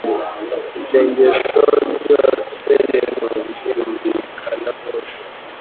Isengesho ryose rimaramaje ryumvikana mu ijuru.